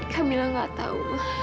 kamilah gak tahu